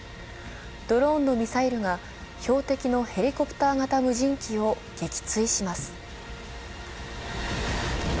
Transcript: ドローンのミサイルが標的のヘリコプター型無人機を撃墜します。